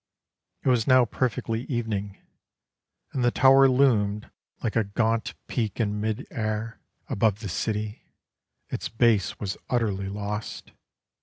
It was now perfectly evening: And the tower loomed like a gaunt peak in mid air Above the city: its base was utterly lost.